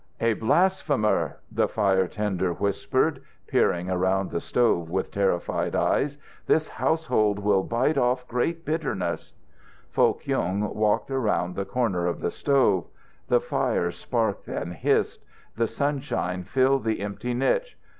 "A blasphemer," the fire tender whispered, peering around the stove with terrified eyes. "This household will bite off great bitterness." Foh Kyung walked around the corner of the stove. The fire sparked and hissed. The sunshine filled the empty niche.